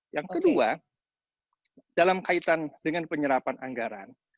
yang kedua dalam kaitan dengan penyerapan anggaran